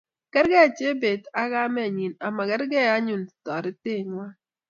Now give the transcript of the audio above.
kargei jebet ak kamennyi ama kergei anyun taretet ng'wai